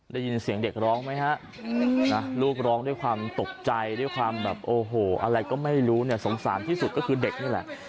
ได้ยินเสียงเด็กร้องไหมฮะลูกร้องด้วยความตกใจด้วยความแบบโอ้โหอะไรก็ไม่รู้เนี่ยสงสารที่สุดก็คือเด็กนี่แหละ